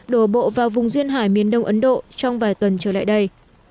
đổ bộ vào vùng duyên hải miền đông ấn độ trong vài tuần trở lại đây